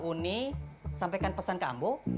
uni sampaikan pesan ke ambo